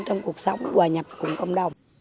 trong cuộc sống hòa nhập cùng công đồng